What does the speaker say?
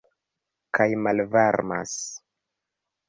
Kaj malvarmas.